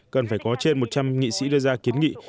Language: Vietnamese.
cần phải có trên một trăm linh nghị sĩ đưa ra kiến nghị